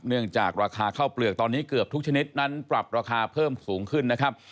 เนื่องจากราคาข้าวเปลือกตอนนี้เกือบทุกชนิดนั้นปรับราคาเพิ่มสูงขึ้นนะครับ